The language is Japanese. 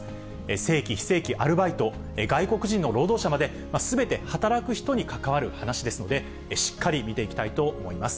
正規、非正規、アルバイト、外国人の労働者まで、すべて働く人に関わる話ですので、しっかり見ていきたいと思います。